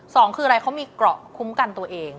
สองคืออะไรเขามีเกราะคุ้มกันตัวเอง